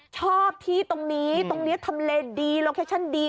ชอบที่ตรงนี้ตรงนี้ทำเลดีโลเคชั่นดี